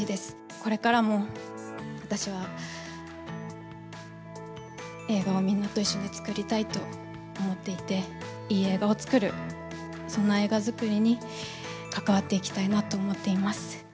これからも私は、映画をみんなと一緒に作りたいと思っていて、いい映画を作る、そんな映画作りに関わっていきたいなと思っています。